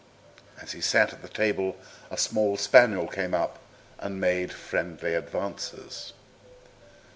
As he sat at the table a small spaniel came up and made friendly advances.